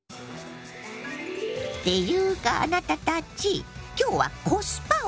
ていうかあなたたち今日は「コスパ」おかずよ。